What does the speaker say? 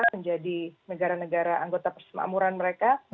menjadi negara negara anggota persama amuran mereka